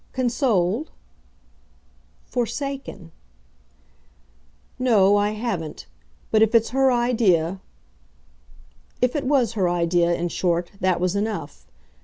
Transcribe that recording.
"Consoled?" "Forsaken." "No I haven't. But if it's her idea !" If it was her idea, in short, that was enough.